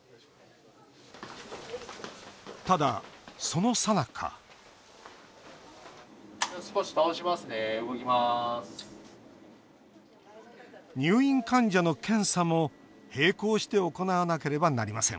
ただ、そのさなか入院患者の検査も、並行して行わなければなりません